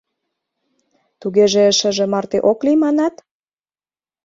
Тугеже шыже марте ок лий, манат?